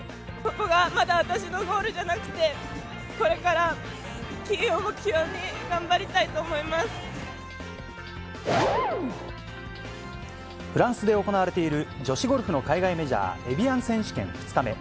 ここがまだ私のゴールじゃなくて、これから金を目標に頑張りたいとフランスで行われている、女子ゴルフの海外メジャー、エビアン選手権２日目。